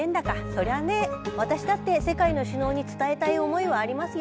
そりゃね私だって世界の首脳に伝えたい思いはありますよ。